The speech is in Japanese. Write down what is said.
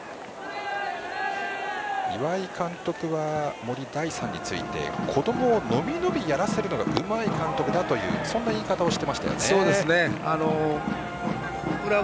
岩井監督は森大さんについて子どもを伸び伸びやらせるのがうまい監督だとそんな言い方をしていました。